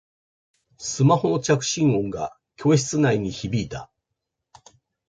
スマホの着信音が教室内に響いた